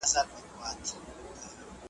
شاه طهماسب به د یاغیانو ژبې له شونډو سره ګنډلې.